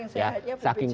saking sehatnya pak pcs kan